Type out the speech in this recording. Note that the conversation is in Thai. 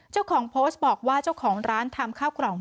เจ้าของโพสต์บอกว่าเจ้าของร้านทำข้าวกล่อง